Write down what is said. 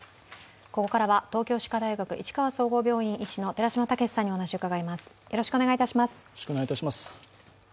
ここからは東京歯科大学市川総合病院医師の寺嶋毅さんにお話を伺います。